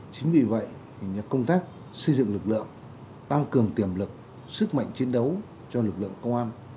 chính vì vậy công tác xây dựng lực lượng tăng cường tiềm lực sức mạnh chiến đấu cho lực lượng công an